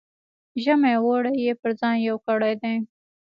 ژمی او اوړی یې پر ځان یو کړی دی.